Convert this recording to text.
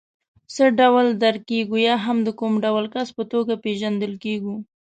څه ډول درک کېږو یا هم د کوم ډول کس په توګه پېژندل کېږو.